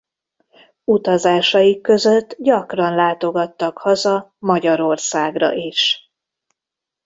Utazásaik között gyakran látogattak haza Magyarországra is.